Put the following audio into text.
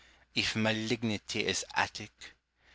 If malignity is Attic.